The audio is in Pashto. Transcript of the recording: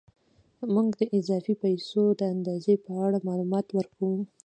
موږ د اضافي پیسو د اندازې په اړه معلومات ورکوو